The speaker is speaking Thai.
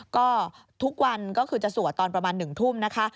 ก็ทุกวันก็คือจะสวดตอนประมาณ๑ทุ่มนะคะ